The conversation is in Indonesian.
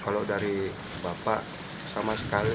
kalau dari bapak sama sekali